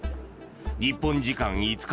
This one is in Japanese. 日本時間５日